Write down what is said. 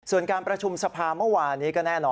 ส่วนการประชุมสภาเมื่อวานนี้ก็แน่นอน